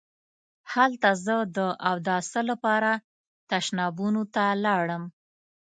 هلته زه د اوداسه لپاره تشنابونو ته لاړم.